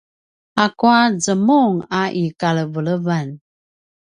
akua zemung a i kalevelevan?